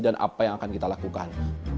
dan apa yang akan kita lakukan